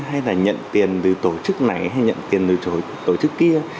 hay là nhận tiền từ tổ chức này hay nhận tiền từ tổ chức kia